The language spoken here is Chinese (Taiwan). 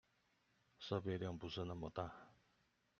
設備量不是那麼大